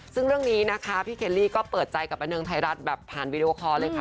ซึ่งเรื่องนี้นะคะพี่เคลลี่ก็เปิดใจกับบันเทิงไทยรัฐแบบผ่านวีดีโอคอร์เลยค่ะ